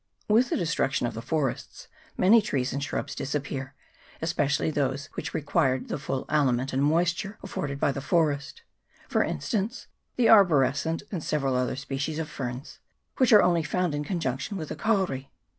With the de 298 THE KAURI TREE. [PART II. struction of the forests many trees and shrubs dis appear, especially those which required the full aliment and moisture afforded by the forest : for instance, the arborescent and several other species of ferns, which are only found in conjunction with the kauri.